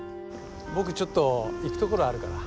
僕ちょっと行くところあるから。